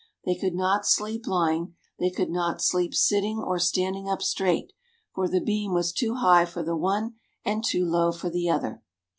They could not sleep lying; they could not sleep sitting or standing up straight, for the beam was too high for the one and too low for the other.